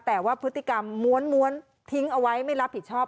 แต่ว่าพฤติกรรมม้วนทิ้งเอาไว้ไม่รับผิดชอบ